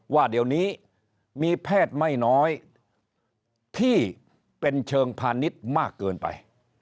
ว่าเดี๋ยวนี้มีแพทย์ไม่น้อยที่เป็นเชิงพาณิชย์มากเกินไป